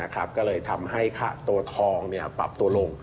ก็เลยทำให้ตัวทองปรับตัวลง